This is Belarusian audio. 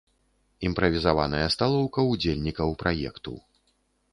Імправізаваная сталоўка ўдзельнікаў праекту.